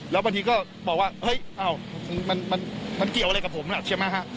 แล้วบางทีก็บอกว่าเฮ้ยมันเกี่ยวอะไรกับผมน่ะใช่ไหมฮะ